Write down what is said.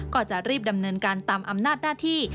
ก็จะรีบดำเนินการตามอำนาจหน้าที่